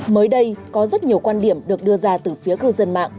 mới đây có rất nhiều quan điểm được đưa ra từ phía cư dân mạng